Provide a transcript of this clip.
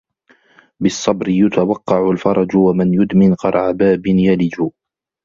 بِالصَّبْرِ يُتَوَقَّعُ الْفَرْجُ وَمَنْ يُدْمِنُ قَرْعَ بَابٍ يَلِجُ